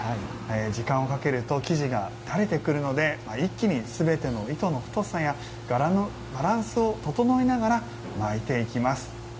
時間をかけると生地がだれてくるので一気にすべての糸の太さや柄のバランスを整えながら巻いていきます。